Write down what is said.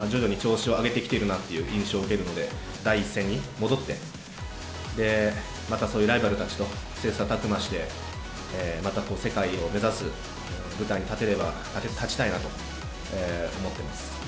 すごく楽しそうに競技をして、徐々に調子を上げてきているなという印象を受けるので、第一線に戻って、またそういうライバルたちと切さたく磨して、また世界を目指す舞台に立てれば、立ちたいなと思ってます。